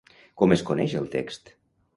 Com es coneix el text?